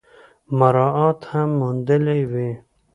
مراعات هم موندلي وي ۔